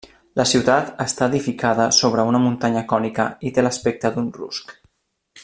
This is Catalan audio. La ciutat està edificada sobre una muntanya cònica i té l'aspecte d'un rusc.